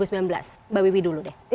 mbak wiwi dulu deh